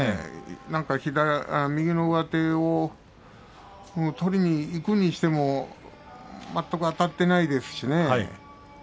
何か、右の上手を取りにいくにしてもあたってないですしね。